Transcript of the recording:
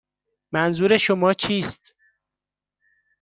منظور شما چیست؟